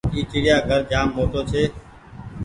اي چڙيآ گهر جآم موٽو ڇي۔